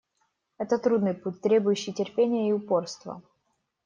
Это трудный путь, требующий терпения и упорства.